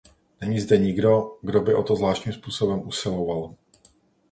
Není zde nikdo, kdo by o to zvláštním způsobem usiloval.